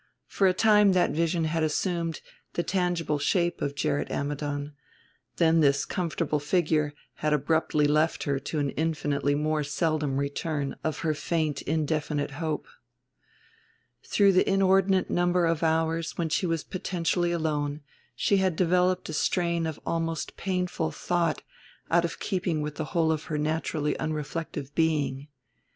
For a time that vision had assumed the tangible shape of Gerrit Ammidon; then this comfortable figure had abruptly left her to an infinitely more seldom return of her faint indefinite hope. Through the inordinate number of hours when she was potentially alone she had developed a strain of almost painful thought out of keeping with the whole of her naturally unreflective being.